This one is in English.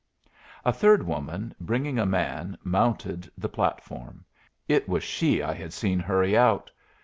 A third woman, bringing a man, mounted the platform. It was she I had seen hurry out.